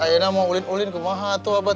ayah mau ulit ulit kemana tuh abah